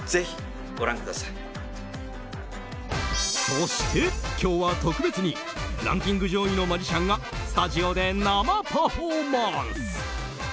そして今日は特別にランキング上位のマジシャンがスタジオで生パフォーマンス。